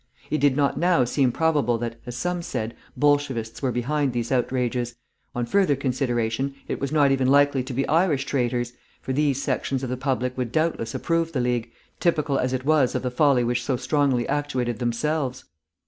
It did not now seem probable that, as some said, Bolshevists were behind these outrages; on further consideration it was not even likely to be Irish traitors; for these sections of the public would doubtless approve the League, typical as it was of the folly which so strongly actuated themselves.